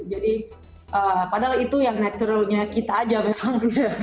jadi padahal itu yang naturalnya kita aja memang